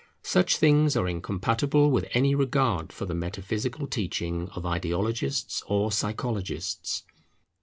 Such things are incompatible with any regard for the metaphysical teaching of ideologists or psychologists.